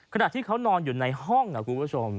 ขณะที่เขานอนอยู่ในห้องนะคุณผู้ชม